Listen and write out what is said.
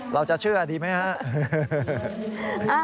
เราจะเชื่อดีไหมครับ